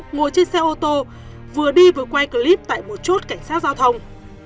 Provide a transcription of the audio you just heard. ngồi trên xe ô tô vừa đi vừa quay clip tại một chốt cảnh sát giao thông